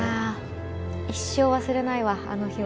一生忘れないわあの日は。